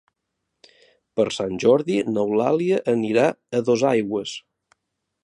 Per Sant Jordi n'Eulàlia anirà a Dosaigües.